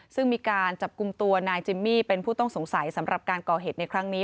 ซึ่งมีการจับกลุ่มตัวนายจิมมี่เป็นผู้ต้องสงสัยสำหรับการก่อเหตุในครั้งนี้